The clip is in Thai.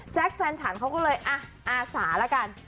แจ๊กแฟนฉานเขาก็เลยอะอาสาระกัน